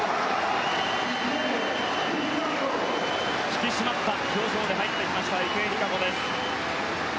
引き締まった表情で入ってきました池江璃花子です。